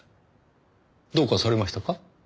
どうかされましたか？